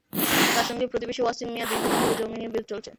তাঁর সঙ্গে প্রতিবেশী ওয়াসিম মিয়ার দীর্ঘদিন ধরে জমি নিয়ে বিরোধ চলছে।